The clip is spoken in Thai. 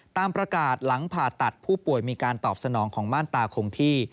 ตามประกาศหลังผ่าตัดผู้ป่วยมีการตอบสนองของม่านตาคงที่